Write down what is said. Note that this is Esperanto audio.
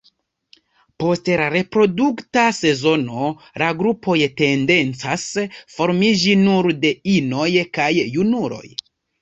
Post la reprodukta sezono la grupoj tendencas formiĝi nur de inoj kaj junuloj.